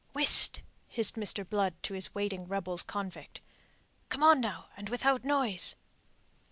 "Whist!" hissed Mr. Blood to his waiting rebels convict. "Come on, now, and without noise."